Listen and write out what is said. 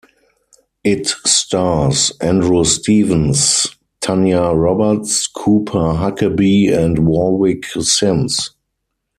It stars Andrew Stevens, Tanya Roberts, Cooper Huckabee, and Warwick Sims.